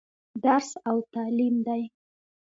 درس او تعليم دى.